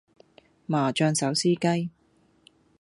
麻醬手撕雞